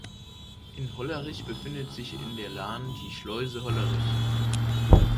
In Hollerich befindet sich in der Lahn die Schleuse Hollerich.